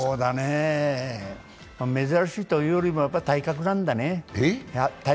珍しいというよりもやっぱり体格なんだね。